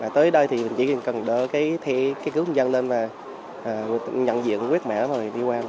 tới đây thì mình chỉ cần đỡ cái cứu công dân lên và nhận diện quyết mẽ rồi đi qua